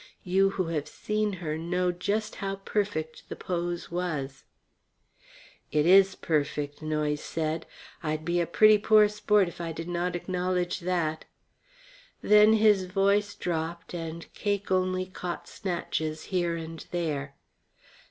You who have seen her know just how perfect the pose was. "It is perfect," Noyes said. "I'd be a pretty poor sport if I did not acknowledge that." Then his voice dropped and Cake only caught snatches here and there.